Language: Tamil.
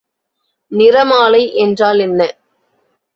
நிறமாலை என்றால் என்ன?